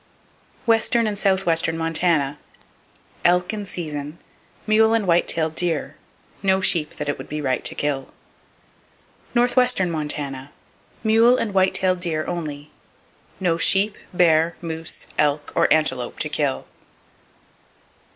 Western And Southwestern Montana : Elk in season, mule and white tail deer; no sheep that it would be right to kill. Northwestern Montana : Mule and white tailed deer, only. No sheep, bear, moose, elk or antelope to kill!